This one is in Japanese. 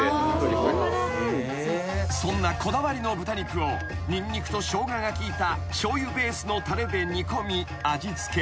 ［そんなこだわりの豚肉をニンニクとショウガが効いたしょうゆベースのたれで煮込み味付け］